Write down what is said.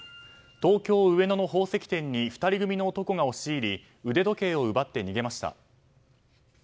東京・上野の宝石店に２人組の男が押し入り腕時計を奪って逃げました。